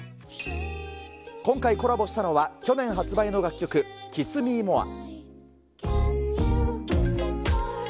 今回コラボしたのは、去年発売の楽曲、キス・ミー・モア。